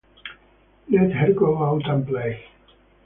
Let her go out and play.